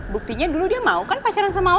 buktinya dulu dia mau kan pacaran sama allah